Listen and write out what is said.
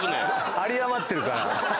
有り余ってるから。